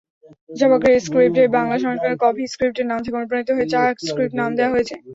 Java স্ক্রিপ্টের এই বাংলা সংস্করণকে কফি স্ক্রিপ্টের নাম থেকে অনুপ্রাণিত হয়ে চা স্ক্রিপ্ট নাম দেয়া হয়েছে।